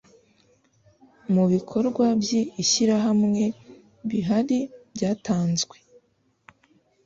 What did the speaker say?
Mu bikorwa by ishyirahamwe bihri byatanzwe